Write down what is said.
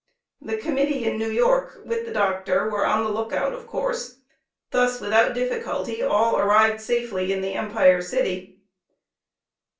The Committee in New York, with the Doctor, were on the look out of course; thus without difficulty all arrived safely in the Empire City.